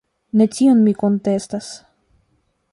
Ne tion mi kontestas.